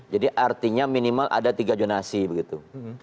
jadi artinya minimal ada tiga zonasi begitu